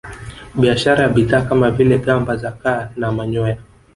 Biashara ya bidhaa kama vile gamba za kaa na manyoya